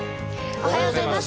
おはようございます。